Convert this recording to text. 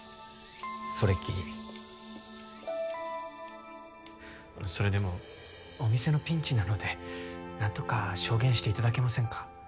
それっきりそれでもお店のピンチなので何とか証言していただけませんか？